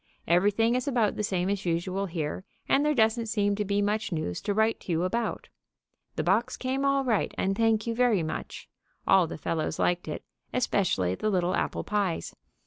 Everything is about the same as usual here, and there doesn't seem to be much news to write to you about. The box came all right, and thank you very much. All the fellows liked it, especially the little apple pies.